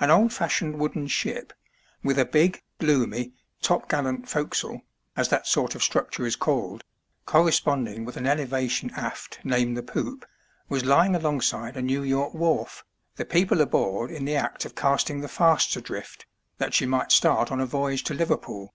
An old fashioned wooden ship, with a big, gloomy, topgallant forecastle, as that sort of structure is called, corresponding with ah elevation aft named the poop, was lying alongside a New York wharf, the people aboard in the act of casting the fasts adrift, that she might start on a voyage to Liverpool.